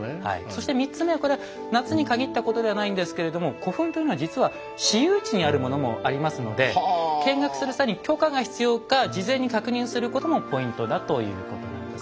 そして３つ目はこれは夏に限ったことではないんですけれども古墳というのは実は私有地にあるものもありますので見学する際に許可が必要か事前に確認することもポイントだということなんですね。